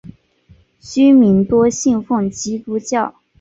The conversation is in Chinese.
居民多信奉基督教。